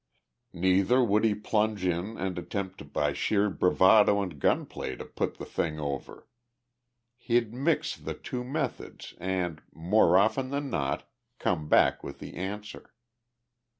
Neither would he plunge in and attempt by sheer bravado and gun play to put the thing over. He'd mix the two methods and, more often than not, come back with the answer.